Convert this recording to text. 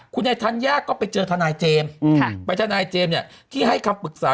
คุณไยทันย่าก็ไปเจอทนายเจมส์หลายทนายทนายที่ให้คำปรึกษา